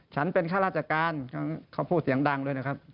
ฉันเป็นข้าราชการเขาพูดเสียงดังเลยนะครับ